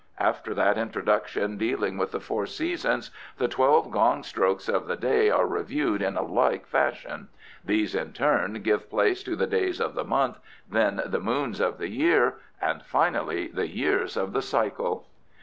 After that introduction dealing with the four seasons, the twelve gong strokes of the day are reviewed in a like fashion. These in turn give place to the days of the month, then the moons of the year, and finally the years of the cycle."